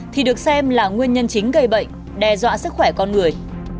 thì được xem là nguyên nhân chính gây bệnh đe dọa sức khỏe con người